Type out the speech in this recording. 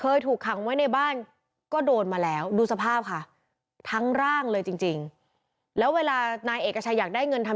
เอกกระตร์ชัยก็หาว่านี่ถูกหลายไปแล้วเอาไปซ่อนใช่ไหม